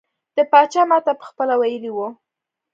د پاچا ماته پخپله ویلي وو.